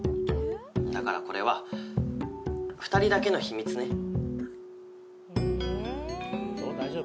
だからこれは二人だけの秘密ね。